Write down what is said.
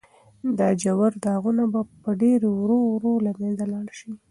دا ژور داغونه به په ډېرې ورو ورو له منځه لاړ شي.